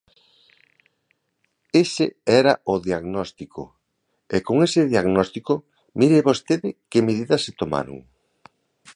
Ese era o diagnóstico, e con ese diagnóstico mire vostede que medidas se tomaron.